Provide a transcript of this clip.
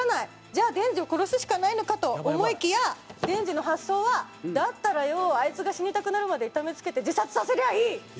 じゃあデンジを殺すしかないのかと思いきやデンジの発想は「だったらよおアイツが死にたくなるまで痛めつけて自殺させりゃいい！」。